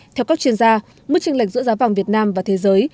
theo các chuyên gia mức tranh lệch giữa giá vàng việt nam và thế giới